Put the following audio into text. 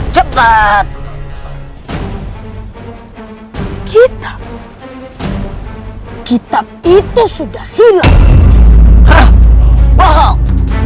cepat kita kita itu sudah hilang